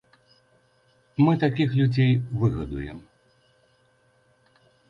Мы такіх людзей выгадуем.